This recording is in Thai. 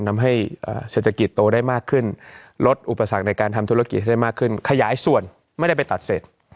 ทำให้เศรษฐกิจโตได้มากขึ้นลดอุปสรรคในการทำธุรกิจให้ได้มากขึ้นขยายส่วนไม่ได้ไปตัดเศษ